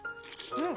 うん。